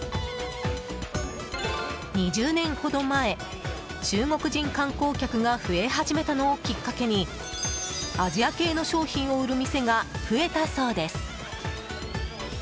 ２０年ほど前、中国人観光客が増え始めたのをきっかけにアジア系の商品を売る店が増えたそうです。